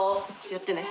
やってね。